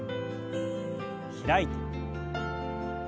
開いて。